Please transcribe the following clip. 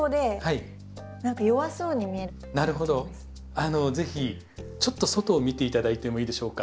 あの是非ちょっと外を見て頂いてもいいでしょうか。